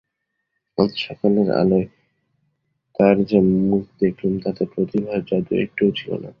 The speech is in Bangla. আজ সকালের আলোয় তার যে মুখ দেখলুম তাতে প্রতিভার জাদু একটুও ছিল না।